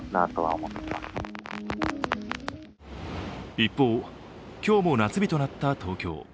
一方、今日も夏日となった東京。